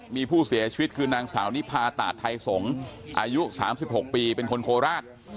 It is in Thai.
มีผู้เสียชีวิตคือนางสาวนิพาตาดไทยสงศ์อายุ๓๖ปีเป็นคนโคราช